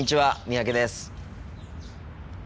三宅です。